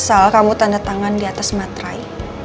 asal kamu tanda tangan diatas matrai